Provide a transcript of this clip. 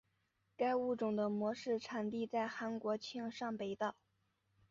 该物种的模式产地在韩国庆尚北道。